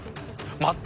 待って。